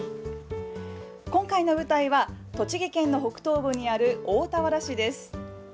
今回の舞台は、栃木県の北東部にある大田原市です。